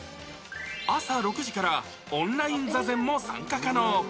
朝６時からオンライン座禅も参加可能。